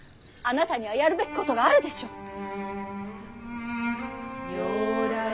あなたにはやるべきことがあるでしょう！